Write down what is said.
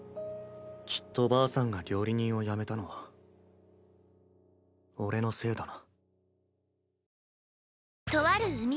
きっとばあさんが料理人をやめたのは俺のせいだな。